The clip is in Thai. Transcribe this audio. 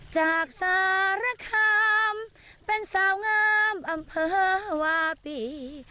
จากสารคามเป็นสาวงามอำเภอวาปี